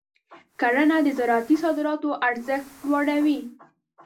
کرنه د زراعتي صادراتو ارزښت لوړوي.